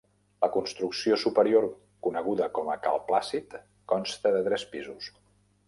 La construcció superior, coneguda com a Cal Plàcid, consta de tres pisos.